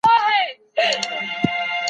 سفیران به د بشري حقونو قانون پلی کړي.